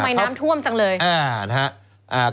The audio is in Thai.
เพราะทำไมน้ำท่วมจังเลย